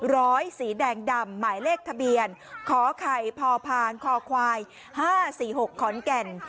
ร้อยสีแดงดำหมายเลขทะเบียนขอไข่พพานคควาย๕๔๖ขอนแก่น